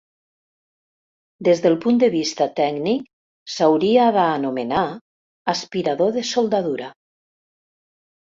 Des del punt de vista tècnic, s'hauria d'anomenar aspirador de soldadura.